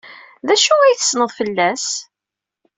D acu ay tessneḍ fell-as?